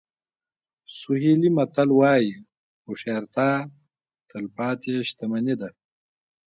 سوهیلي متل وایي هوښیارتیا تلپاتې شتمني ده.